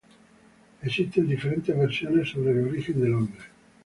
Existen diferentes versiones sobre el origen del nombre.